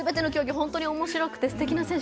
本当におもしろくてすてきな選手